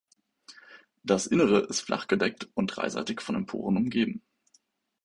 Das Innere ist flach gedeckt und dreiseitig von Emporen umgeben.